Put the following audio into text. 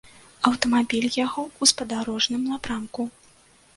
Аўтамабіль ехаў у спадарожным напрамку.